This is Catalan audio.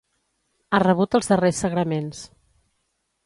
Ha rebut els darrers sagraments.